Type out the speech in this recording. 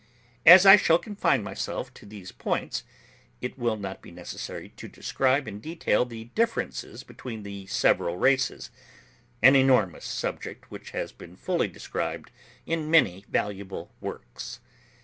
As I shall confine myself to these points, it will not be necessary to describe in detail the differences between the several races—an enormous subject which has been fully described in many valuable works.